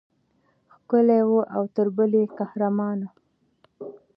ښکلې وه او تر بلې قهرمانه.